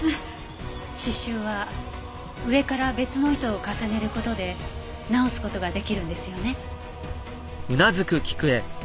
刺繍は上から別の糸を重ねる事で直す事が出来るんですよね？